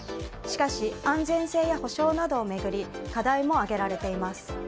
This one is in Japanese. しかし、安全性や補償などを巡り課題も挙げられています。